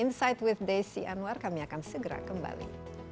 insight with desi anwar kami akan segera kembali